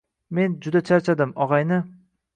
men juda charchadim, og‘ayni…